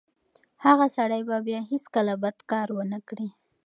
هغه سړی به بیا هیڅکله بد کار ونه کړي.